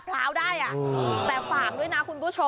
พี่พินโย